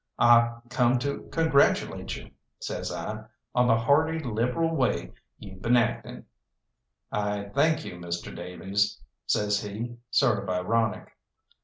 "I come to congratulate you," says I, "on the hearty liberal way you've been acting." "I thank you, Mr. Davies," says he, sort of ironic.